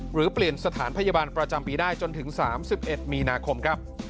หรือเปลี่ยนสถานพยาบาลประจำปีได้จนถึง๓๑มีนาคมครับ